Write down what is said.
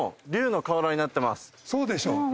そうでしょ。